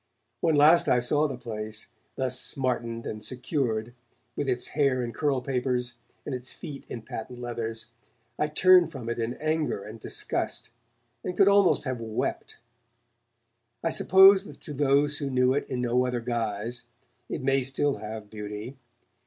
When last I saw the place, thus smartened and secured, with its hair in curl papers and its feet in patent leathers, I turned from it in anger and disgust, and could almost have wept. I suppose that to those who knew it in no other guise, it may still have beauty.